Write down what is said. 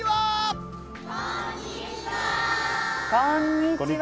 こんにちは。